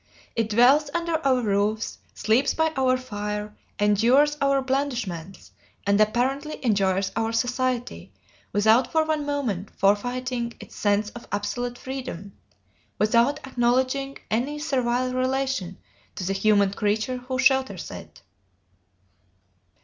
It dwells under our roofs, sleeps by our fire, endures our blandishments, and apparently enjoys our society, without for one moment forfeiting its sense of absolute freedom, without acknowledging any servile relation to the human creature who shelters it.